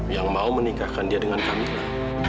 yang mau menikahkan dia dengan kamera